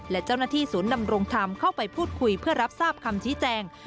และเจ้าหน้าที่ศูนย์ดำรงธรรมเข้าไปพูดคุยเพื่อรับทราบคำชี้แจง